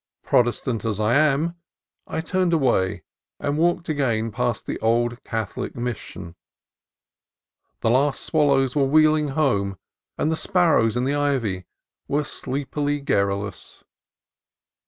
Protestant as I am, I turned away and walked again past the old Catholic Mission. The last swallows were wheeling home, and the sparrows in the ivy were sleepily querulous.